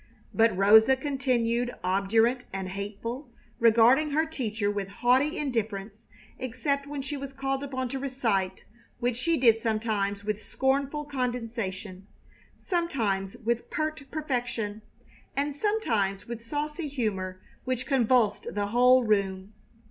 But Rosa continued obdurate and hateful, regarding her teacher with haughty indifference except when she was called upon to recite, which she did sometimes with scornful condescension, sometimes with pert perfection, and sometimes with saucy humor which convulsed the whole room.